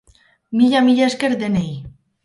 Mila mila esker denei!